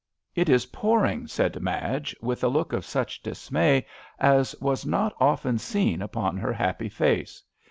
''It is pouring/' said Madge, with a look of such dismay as was not often seen upon her happy face.